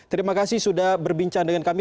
terima kasih sudah berbincang dengan kami